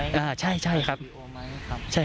เพื่อนอัดเสียงไหม